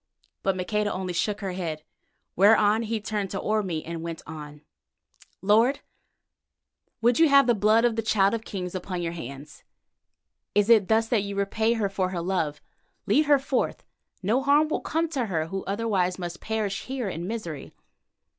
But Maqueda only shook her head, whereon he turned to Orme and went on: "Lord, would you have the blood of the Child of Kings upon your hands? Is it thus that you repay her for her love? Lead her forth. No harm will come to her who otherwise must perish here in misery."